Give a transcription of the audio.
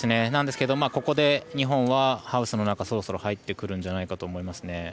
ここで、日本はハウスの中そろそろ入ってくるんじゃないかと思いますね。